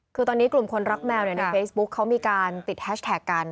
คือตอนนี้กลุ่มคนรักแมวในเฟซบุ๊คเขามีการติดแฮชแท็กกัน